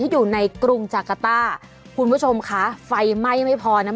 อยู่ในกรุงจากาต้าคุณผู้ชมคะไฟไหม้ไม่พอนะ